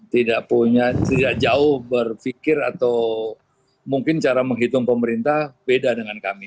tidak punya tidak jauh berpikir atau mungkin cara menghitung pemerintah beda dengan kami